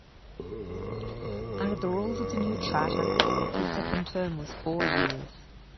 Under the rules of the new charter, his second term was four years.